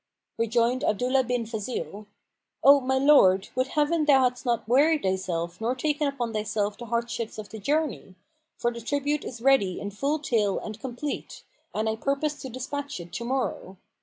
Rejoined Abdullah bin Fazil, "O my lord, would Heaven thou hadst not wearied thyself nor taken upon thyself the hardships of the journey! For the tribute is ready in full tale and complete, and I purpose to despatch it to morrow.